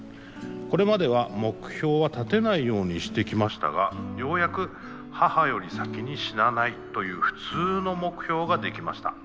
これまでは目標は立てないようにしてきましたがようやく母より先に死なないという普通の目標が出来ました。